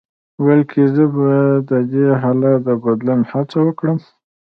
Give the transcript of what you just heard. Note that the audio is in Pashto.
بلکې زه به د دې حالت د بدلون هڅه وکړم.